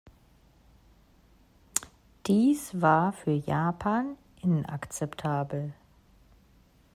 Dies war für Japan inakzeptabel.